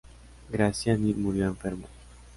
Graziani murió en Fermo.